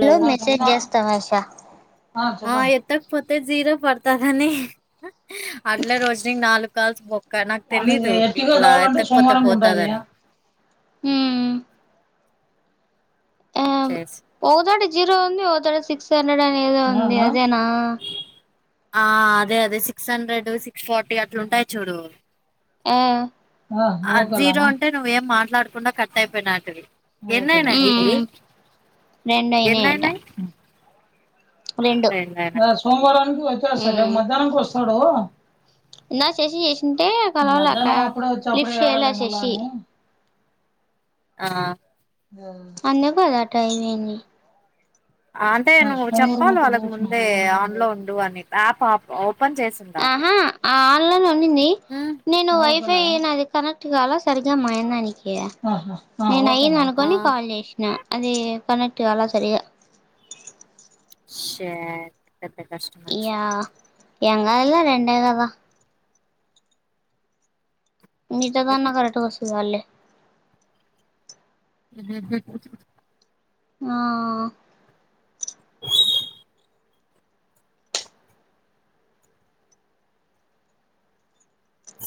Hello message చేస్తా ఆశ ఆ ఎత్తకుపోతే జీరో పడతదని అడ్లే రోషిని నాలుగు కాల్స్ పో అక్క నాకు నీకు తెలీదు ఎర్టిగా ఇట్లా ఎత్తకపోతే పోతదని ఉమ్ ఆ చేసి ఓ చోట జీరో ఉంది ఓ చోట సిక్స్ హండ్రెడ్ అని ఏదో ఉంది అదేనా ఆ అదే అదే సిక్స్ హండ్రెడ్ సిక్స్ ఫార్టీ అట్లుంటాయి చూడు ఆ ఆ జీరో అంటే నువ్వేం మాట్లాడకుండా కట్ అయిపోనాటివి ఉమ్ ఉమ్ రెండు అయినాయి అట ఎన్నయినాయి రెండు ఆ రెండయినాయి సోమవారానికి వచ్చేస్తా మధ్యాహ్నానికి వస్తడు ఇందాకా శశి చేసింటే కలవలే లిఫ్ట్ చేయలే శశి ఆ అందుకే అది అట్లా అయిపోయింది అంటే నువ్వు సోమవారం చెప్పాలి అయితే వాళ్ళకు ముందే పోవచ్చు ఆన్లో ఉండు అని యాప్ ఆఫ్ ఓపెన్ చేసుండాలి ఆ ఆన్లైన్ లో ఉండింది నేను వై వైఫై నాది కనెక్ట్ కాలే సరిగా మా ఆయన దానికి నేను అయ్యింది ఆ అనుకోని కాల్ చేసినా అది కనెక్ట్ కాలే సరిగా షీట్ పెద్ద ఇగ కష్టమొచ్చింది ఏం గాదులే రెండే గదా మిగతాదన్న వచ్చింది కరెక్ట్ గా వస్తే చాల్లే హు హు హూ ఆ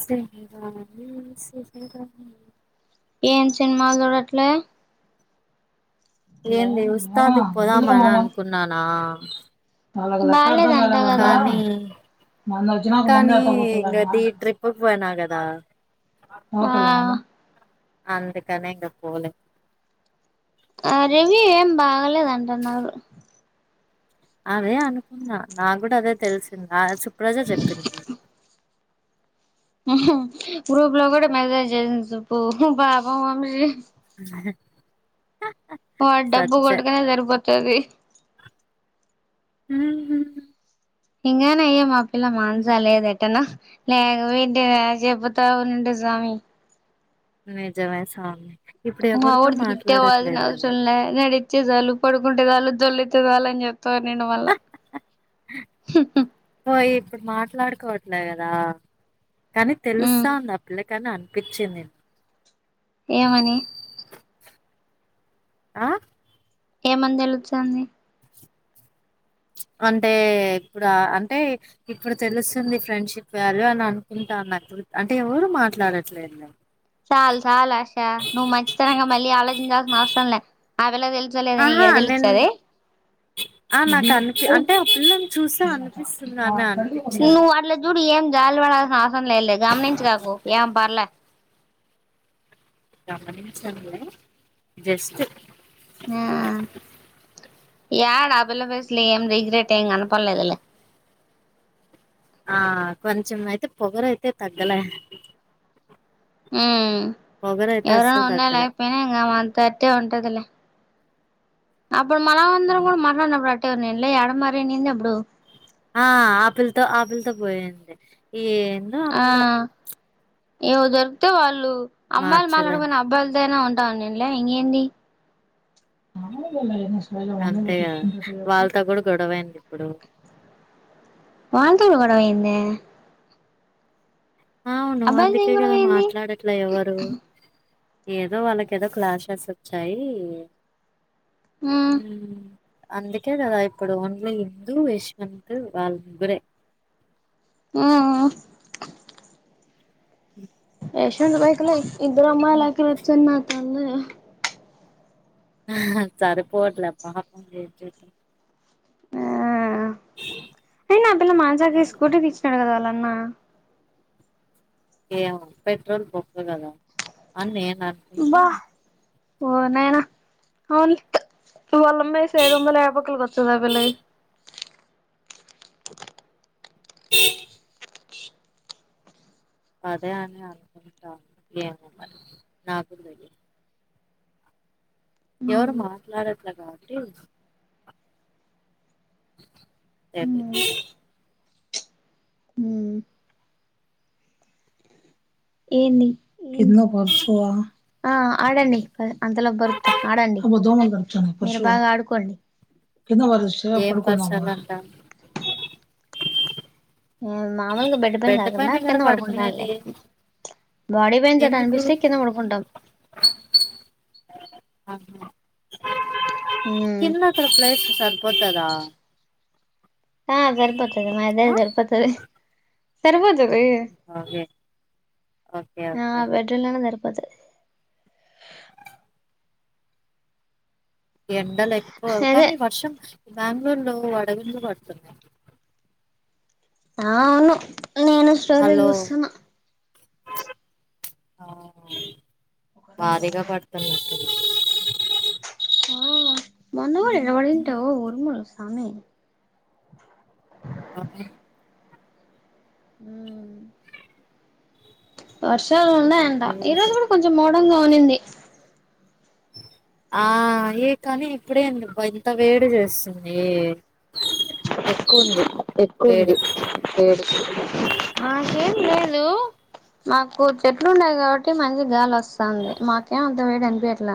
సెహరాని సెహరాని ఏం సినిమాలు చూడట్లే ఏంది మామ ఉస్తాద్ కి వద్దులే పోదామనా అనుకున్నానా హా [unintelligible] కానీ మొన్న వచ్చినాక మందు కానీ ఇంగ ఎత్తకపోతున్నా ది ట్రిప్ కి పోయినా గదా ఆ అందుకనే ఇంక పోలే ఆ రివ్యూ ఏం బాగలేదంటున్నారు అదే అనుకున్నా నాగ్గుడ అదే తెల్సింది ఆ సుప్రజ చెప్పింది ఉహ్హు గ్రూప్ లో గూడ మెసేజ్జేసింది సుబ్బు హు పాపమమ్మి అదే [inaudible] ఆ డబ్బు గొడ్కనే సరిపోతది ఉమ్ హు ఇంగానయం ఆ పిల్ల మానసాలేదెటనో లేకపోయుంటే చెబుతా ఉండు స్వామి నిజమే సామి మా వోడు హిట్టేవాల్సిన అవసరంల్లే నడితేచాలు పడుకుంటేజాలు దొల్లితే జాలు అని జెప్ తోర్నిండు మళ్ళా హుహూ పోయి ఇప్పుడు మాట్లాడుకోవట్లే గదా కానీ ఉమ్ తెలుసా ఉంది ఆ పిల్లకి కానీ అనిపించింది ఏమని ఆ ఏమని దెలుస్తుంది మ్చ్ అంటే ఇప్పుడు అంటే ఇప్పుడు తెలుస్తుంది ఫ్రెండ్షిప్ వాల్యూ అననుకుంటా అంటే ఎవరు మాట్లాడట్లేద్లే చాల్ చాలాశా నువ్వు మంచితనంగా మళ్ళీ ఆలోచించాల్సిన అవరం లా అసలే తెలుస్తలే గనీ ఆహా యేడ నేను తెలుస్తదే ఆ నాకు అనిపి అంటే ఆ పిల్లని చూస్తే అనిపిస్తుందని అనిపించింది నువ్వు అట్ల జూడు ఏ జాలి పడాల్సిన అవసరం లేదులే గామనించ గాకు ఏం పర్లే గమనించన్లే జస్ట్ ఆ యాడ ఆ పిల్ల ఫేస్లే రిగ్రెట్ ఏం గనపల్లేద్లే ఆ కొంచెం అయితే పొగరయితే తగ్గలే ఊ పొగరయితే ఎవరూ అస్సలు ఉన్నా తగ్గలే లేకపోయినా ఇంగ ఆమె అంత అట్టే ఉంటదిలే అప్పుడు మనమందరం ఉమ్. గూడ మాట్లాడినం గట్టిగనే లే అడ మారిందప్పుడు ఆ ఆపిల్తో ఆపుల్తో బోయింది ఈ ఏందో ఆ పిల్ల ఏవో దొరుక్తే వాళ్ళు అమ్మాయిలు మార్చలేము మాట్లాడకపోయినా అబ్బాయిలతో ఐనా ఉ టాన్నిన్లే ఇంగేంది మనమే వెళ్ళలే ఫస్ట్ వాన్నె అంతే కదా పట్టించుకుంటట్లేరు వాళ్ళతో కూడా గొడవైంది ఇప్పుడు వాంతో గొడవేందే అవును అబ్బాయిలతో అందుకే ఏం గొడవ గదా అయింది మాట్లాడట్లే ఎవరూ ఏదో వాళ్ళకెదో క్లాషెసొచ్చాయీ ఉమ్ మ్మ్ అందుకే గదా ఇప్పుడు ఓన్లీ హిందూ యశ్వంత్ వాళ్ ముగ్గురే ఊ యెష్షూ వివేకు లే ఇద్దరమ్మాయిలా ఉమ్. కూర్చున్నార్ తల్లే అహ్ సరిపోట్లా పాపం ఎంచెత్తం అ పిన్ ఆ పిల్ల మానజాక స్కూటీకిచ్చినాడు కద వాళ్ళన్నా ఏవో పెట్రోల్ బొక్క గదా అని నేననుకుంటా బా ఓ నైనా అవున్లె తూ వల్లమేసే ఐదొందల యా బొక్కలకి ఒత్తదా వీళ్లై [inaudible] అదే అని అనుకుంటా ఏమో మరి నాగ్గూడ తెలిదు ఎవరూ మాట్లాడట్ల కాబట్టి ఏంది ఏంది కింద పర్షవా ఆ ఆడండి అ అంతలోప్ బరుత్తా ఆడండి మీరు బాగ ఆడుకోండి కింద పడేస్తే ఏం పడుకుందాముగా పర్సాలంటా ఉమ్ మామలుగా బెడ్ పైన కాకుండా కదా కింద పడుకుంటాంలే పడుకునేది బాడీ పేన్స్ ఎందుకు అట్లనిపిస్తే కింద పడుకుంటాం [inaudible] ఉమ్ కిందక్కడ ప్లేస్ సరిపోతుదా ఆ సరిపోతది మాదే ఆ సరిపోతది హ్ సరిపోత అవే ఓకే ఓకే ఆ ఓకే వెటన పడ్డై ఎండలెక్కువ అదే కానీ వర్షం ఈ బ్యాంగుళూర్లో వడగండ్లు పడుతున్నై ఆ అవును నేను స్టోరీల్ హలో జూస్సున్న భారీగా పడతన్న [inaudible] ఆ మొన్నగూడ ఎవడింటవ్ ఉరుములు సామీ [unintelligible] ఉమ్మ్ వర్షాలు ఉన్నాయంట ఈ రోజు కూడా కొంచెం మోఢంగా ఉండింది. ఆ ఏ కానీ ఇప్పుడేంది అబ్బ ఇంత వేడి చేస్తుందీ. ఎక్కువ ఉంది వేడి ఎక్కువుంది వేడి మాకు చెట్లు ఉండయి కాబట్టి మంచి గాలి వస్తుంది మాకేం అంత వేడి అనిపియట్ల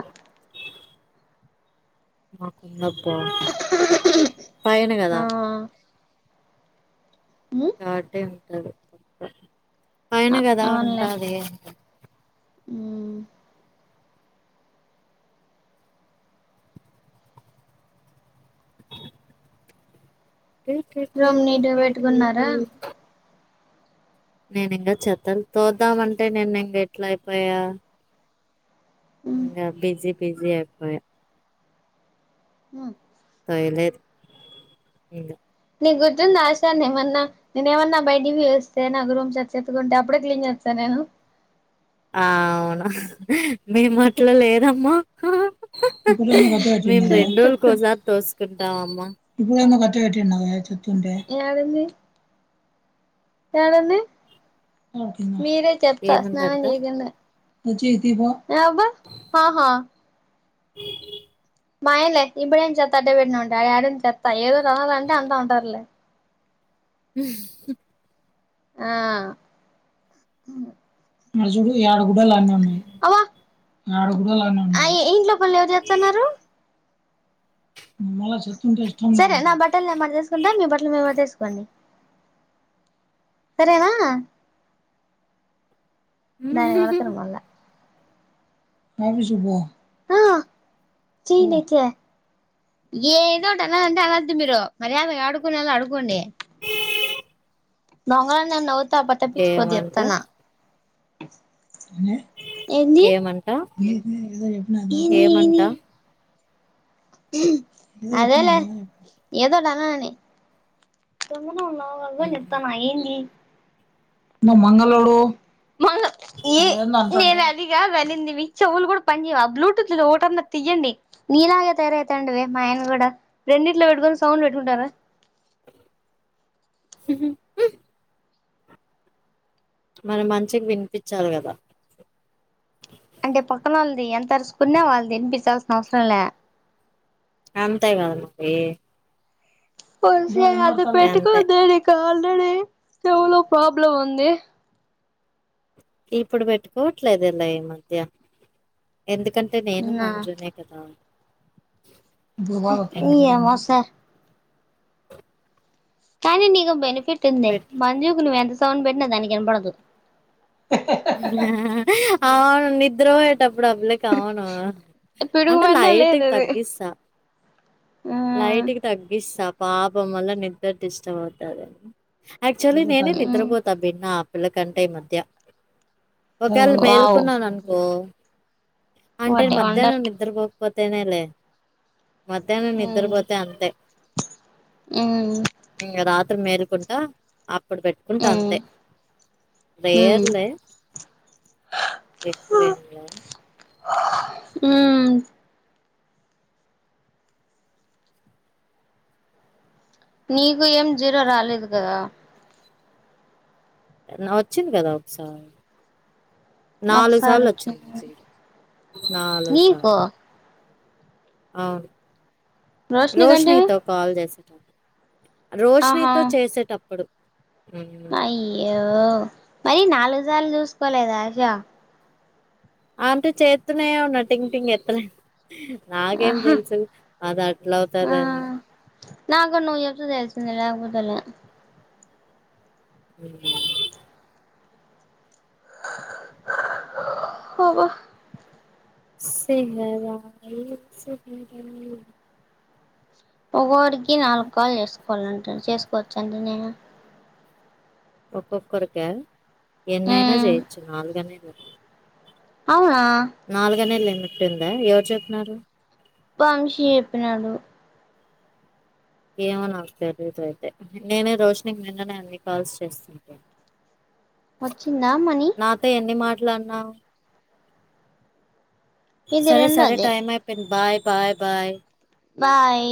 మాకుందబ్బ ఆ కాబట్టి పైన కదా ఉంటాది. ఉమ్మ్ రూమ్ కిల్ నీట్గా కిల్ కిల్ పెట్టుకున్నారా [unintelligible] నేను ఇంకా చెత్తను తోద్దామంటే నిన్న ఇంకా ఎట్లా అయిపోయా ఇంకా బిజీ బిజీ అయిపోయా హుమ్ వేయలేదు ఇంగ నీ గుర్తుంది ఆశన్న ఏమన్నా నేను ఏమన్నా బయటికి పోయేస్తే నాకు రూమ్ చేత ఎత్తుకుంటే అప్పుడే క్లీన్ చేస్తాను నేను ఆ అవునా హా హ్ మేము అట్లా లేదమ్మా ఇప్పుడేమో కట్ట మేం పెట్టిండు రెండురోజులు కోసారి తోసుకుంటాం అమ్మ ఇప్పుడున్న పట్టి కట్టిండా చెత్తుఉంటే యాడుండి మీ చెత్త స్నానం ఏముందంట చేయకుండా అబ్బ హా హా మాయలే ఇప్పుడ ఏ చెత్తా అట్టే పెట్న ఉంటే ఆ ఆడ ఏడుంది చెత్తా ఏదో రాలంటే అంతా ఉంటారులే ఉమ్మ్ హు ఆ అబా ఇంట్లోపనులు ఎవరు చేతున్నారు సరే నా బట్టలు నేను మస్తేసుకుంటా మీ బట్టలు మీరూ మడతఎసుకోండి. సరేనా దానే వరకలు మల్ల ఆ చేయనే చేయ ఏదో ఒకట అలాంటే అలాద్దు మీరు మర్యాద ఆడుకొనాలో ఎలా ఆడుకోండి నంగ న నవుత అప్ప తప్పిచుకోదు ఏమంట చెప్తాన ఏంది ఏమంట ఎంది ఏమంట ఎంది ఉమ్ అదేలే ఏదోటి అనాలని తొంగోనే ఉన్నావ్ వద్దని చెప్తాన ఏంది నువ్ మంగళోడు ఈ నేను అది కాదు అనింది మీ చెవులు కూడా పని చేయావ బ్లూటూత్ ఒకటన్న తీయ్యండి. నీలాగా తయారువుతుండువి మా ఆయన కూడా రెండిట్లో పెట్టుకొని సౌండ్ పెట్టుకుంటారు. ఉహు ఉ మన మంచిగా వినిపిచాలి కదా అంటే పక్కన వాళ్ళది ఎంత అరుసుకున్నా వాళ్ళది వినిపించాల్సిన అవసరంలే అంతే కద మరి అంతే అంతే పెట్టుకోవద్దే నీ కాల్ [unintelligible] ఏవండీ చెవులో ప్రాబ్లం వుంది ఇప్పుడు పెట్టుకోవట్లేదు లే ఈ మధ్య ఎందుకంటే నేను నా మంజునే కదా నేను ఈ ఇప్పుడు అమాస కానీ నీకు బెనిఫిట్ ఉంది పెట్ మంజువుకు నువ్వు ఎంత సౌండ్ పెట్టినా దానికి వినపడదు అవును నిద్ర అప్పుడు ఆ పిల్ల కి కామను పిడుగు అంటే పడినా లేదు లైట్గా అది తగ్గిస్తా లైట్కి తగ్గిస్తా పాపం వల్ల నిద్ర డిస్టర్బ్ అవుతందనీ యాక్చువల్లీ నేనే విరుగుతాంది నిద్రపోతా బిన్న ఆ పిల్ల కంటే ఈ మధ్య ఒకవేళ వావ్ మేల్కున్నాను అనుకో అంటే వాట్ ఏ వండర్ మధ్యాహ్నం నిద్ర పోపోతేనేలే మధ్యాహ్నం ని మ్మ్ నిద్రపోతే అంతే మ్మ్ ఇంగా రాత్రి మేలుకుంటా ఇప్పుడు పెట్టుకుంట అంతే మ్మ్ డే ఎన్ ఎక్వేమ్లా ఉ నీకు ఏం జీరో రాలేదు కదా నా వచ్చింది కదా ఒకసారి నాలుగు ఒకసారి సార్లు వచ్చింది వచ్చిందించి నాలుగు నీకు సార్లు ఆ రోషిని కంటివి రోషినితో కాల్ చేసిట ఆహా రోషినితో చేసేటప్పుడు ఉ అయ్యో మరి నాలుగు సార్లు చూసుకోలేదా ఆశా అంటే చేతునే ఉన్న టింగ్ టింగ్ ఎత్తనే నాకేం ఆహా తెలుసు అది అట్లా ఆ అవుతదని నాకు నువ్వు చెప్తే తెలిసింది లేకపోతేలే ఉ హాబా సింగరాయి సింగారా ఒక్కోరికి నాలుగు కాల్ చేసుకోవాలంట చేసుకోవచ్చంటనే ఒక్కొక్కరికా ఎన్నైనా మ్మ్ చేయొచ్చు నాలుగనీ అవునా నాలుగనే లిమిట్ ఉందా ఎవరు చెప్పినారు వంశీ చెప్పినాడు ఏమో నాకు తెలియదు అయితే నేనే రోషినికి నిన్ననే అన్ని కాల్స్ చేస్తుం [inaudible] వచ్చిందా మని అట్లనా ఇది సరే సరే రెండోది టైమ్ అయిపోయింది బాయ్ బాయ్ బాయ్ బాయ్